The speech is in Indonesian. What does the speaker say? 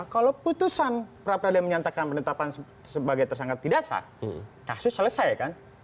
keputusan prapradino menyatakan penetapan sebagai tersanggah tidak sah kasus selesai kan